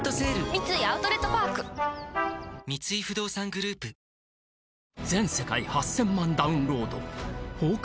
三井アウトレットパーク三井不動産グループ無事到着しました！